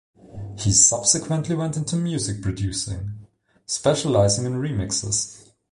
He subsequently went into music producing, specializing in remixes.